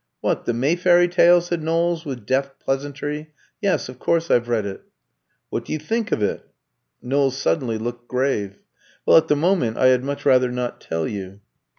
"What, the Mayfairy tale?" said Knowles, with deft pleasantry. "Yes, of course I've read it." "What do you think of it?" Knowles suddenly looked grave. "Well, at the moment, I had much rather not tell you."